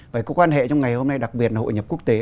vậy có quan hệ trong ngày hôm nay đặc biệt là hội nhập quốc tế